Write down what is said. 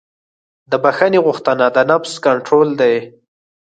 د بښنې غوښتنه د نفس کنټرول دی.